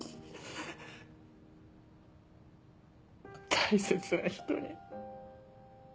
大切な人に。